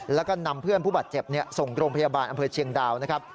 แล้วก็นำเพื่อนผู้บาดเจ็บส่งโรงพยาบาลอำเภอเชียงดาวนะครับ